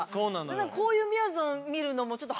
こういうみやぞん見るのもちょっと初めて。